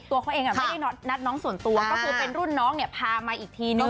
ตัวเขาเองไม่ได้นัดน้องส่วนตัวก็คือเป็นรุ่นน้องเนี่ยพามาอีกทีนึง